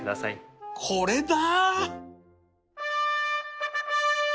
これだ！